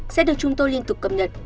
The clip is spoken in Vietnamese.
sẽ được chúng tôi liên tục cập nhật